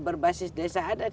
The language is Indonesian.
berbasis desa adat